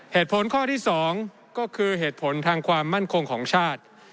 เหตุผลข้อที่๒ก็คือเหตุผลทางความมั่นคงของชาติ